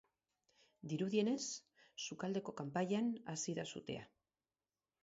Dirudienez, sukaldeko kanpaian hasi da sutea.